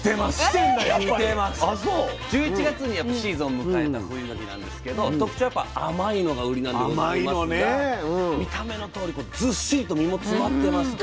１１月にシーズンを迎えた富有柿なんですけど特徴はやっぱ甘いのが売りなんでございますが見た目のとおりずっしりと実も詰まってまして。